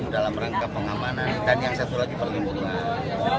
dalam rangka pengamanan dan yang satu lagi perlindungan